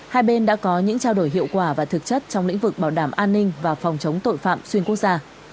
hai bên đã có những trao đổi hiệu quả và thực chất trong lĩnh vực bảo đảm an ninh và phòng chống tội phạm xuyên quốc gia